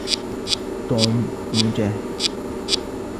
توم مجاهد.